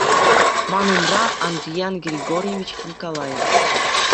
Ман умра Андриян Григорьевич Николаев.